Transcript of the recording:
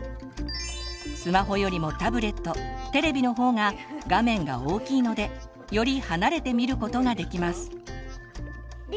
スマホよりもタブレットテレビの方が画面が大きいのでより離れて見ることができます。